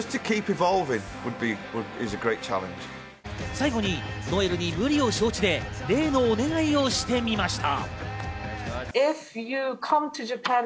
最後にノエルに無理を承知で例のお願いをしてみました。